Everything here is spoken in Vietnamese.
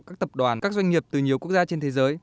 các tập đoàn các doanh nghiệp từ nhiều quốc gia trên thế giới